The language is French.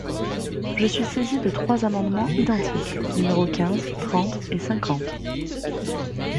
Je suis saisi de trois amendements identiques, numéros quinze, trente et cinquante.